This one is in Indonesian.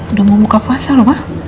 udah mau buka puasa lho pak